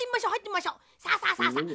さあさあさあさあ。